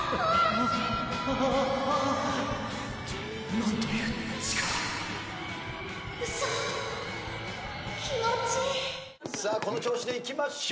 「何という力」「嘘気持ちいい」さあこの調子でいきましょう。